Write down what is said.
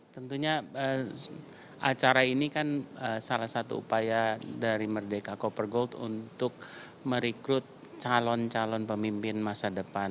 tentunya acara ini kan salah satu upaya dari merdeka cooper gold untuk merekrut calon calon pemimpin masa depan